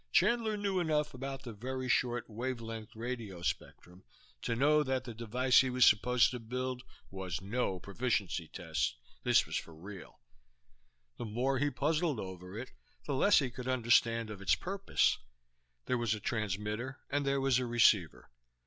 Chandler knew enough about the very short wavelength radio spectrum to know that the device he was supposed to build was no proficiency test; this was for real. The more he puzzled over it the less he could understand of its purpose. There was a transmitter and there was a receiver.